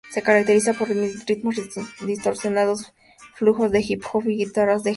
Se caracteriza por ritmos distorsionados, flujos de "hip hop" y guitarras de "heavy metal".